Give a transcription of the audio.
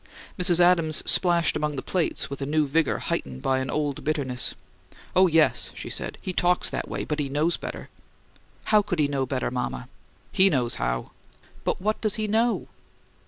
Mrs. Adams splashed among the plates with a new vigour heightened by an old bitterness. "Oh, yes," she said. "He talks that way; but he knows better." "How could he 'know better,' mama?" "HE knows how!" "But what does he know?"